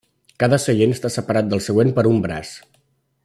Cada seient està separat del següent per un braç.